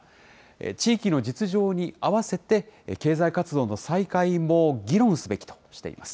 地域の実情にあわせて、経済活動の再開も議論すべきとしています。